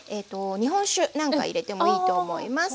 日本酒なんか入れてもいいと思います。